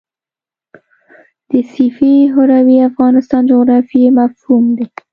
د سیفي هروي افغانستان جغرافیاوي مفهوم دی.